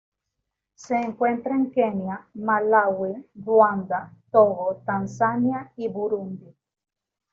Se encuentra en Kenia, Malaui Ruanda, Togo, Tanzania y Burundi.